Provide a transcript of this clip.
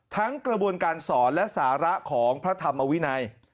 กระบวนการสอนและสาระของพระธรรมวินัย